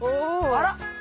あら？